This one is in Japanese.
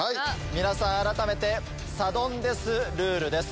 皆さん改めてサドンデスルールです。